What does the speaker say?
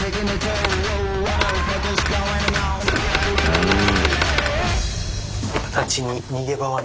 うん！